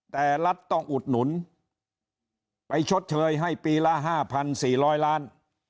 แต่รัฐต้องอุดหนุนไปชดเชยให้ปีละ๕๔๐๐ล้าน